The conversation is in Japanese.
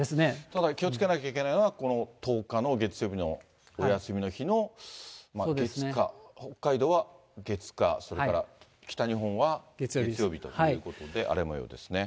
ただ気をつけないといけないのは、この１０日の月曜日のお休みの日の月、火、北海道は月、火、それから北日本は月曜日ということで、荒れもようですね。